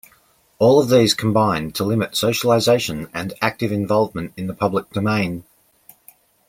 All of these combine to limit socialization and active involvement in the public domain.